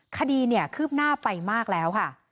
คดีเนี่ยคืบหน้าไปมากแล้วค่ะ